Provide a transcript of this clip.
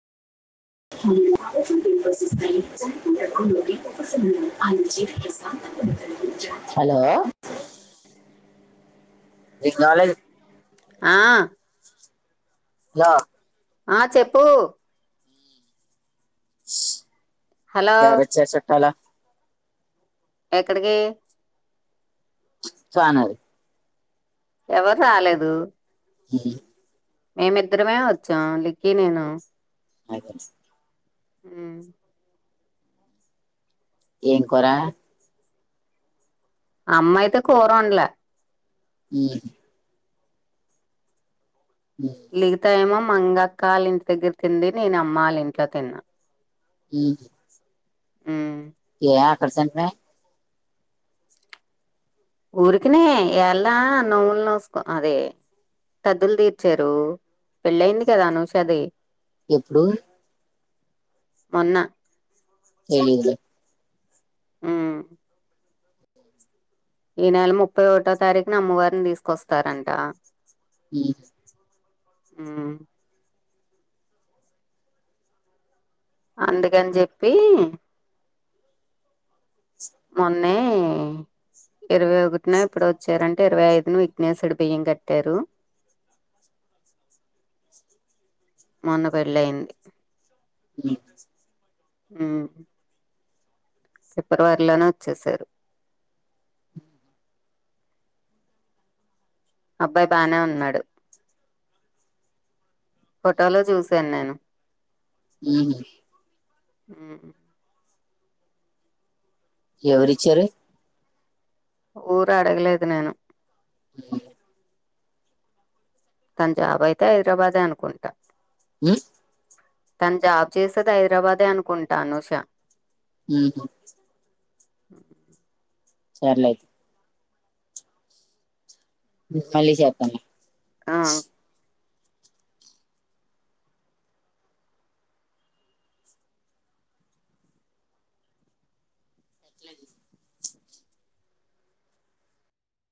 [inaudible] ఇ నాలజ ఆ [inaudible] ఆ చెప్పు హలో [inaudible] రజచ్చ చట్టాల ఎక్కడికి చాన ఎవరు రాలేదు హ మేమిద్దరమే వచ్చాం లికి నేను అయతే ఆ ఏం కోరా అమ్మాయితే కూరల ఆ ఉమ్, లికుతా ఏమం మంగక్క వాళ్ళ ఇంటి దగ్గర తిడి నేను అమ్మ వాళ్ళ ఇంట్లో తిన్నా అ ఉమ్, ఏ పర్సెట్ ఊరికినే ఈయల్న నోములు నోచుకుంటున్నారే తద్దులు తీర్చారు పెళ్ళయింది కదా అనూషది ఎప్పుడు మొన్న తెలిదులే మ్మ్ ఈ నెల ముప్పై ఒకటో తారీఖున అమ్మవారిని తీసుకొస్తారంట ఈ స్ మ్మ్ అందుకని జేప్పి మొన్నే ఇరవై ఒకటిన ఎప్పుడో వచ్చారంట ఇరవై ఐదున విఘ్నేశ్వరుడు బియ్యం గట్టారు మొన్న పెళ్ళైయింది ఉ మ్మ్ ఫిబ్రవరిలోనే వచ్చేసారు అబ్బాయి బానే ఉన్నాడు ఫోటోలో చూసాను నేను మ్మ్ హు మ్మ్ ఎవరిచ్చారు ఊరు అడగలేదు నేను తన జాబ్ అయితే హైదరాబాదే అనుకుంటా మ్మ్ తను జాబ్ చేసేది హైదరాబాదే అనుకుంటాను ఉషా మ్మ్ హు అ సర్లే అయిత్ మళ్ళీ జేతాన్ ల్లే ఆ ఎట్ల అది